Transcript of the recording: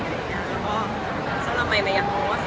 หรือว่าทำมายแล้ว